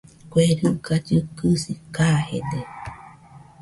Kue riga llɨkɨsi kajede.